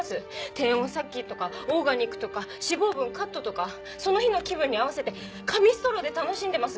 低温殺菌とかオーガニックとか脂肪分カットとかその日の気分に合わせて紙ストローで楽しんでます。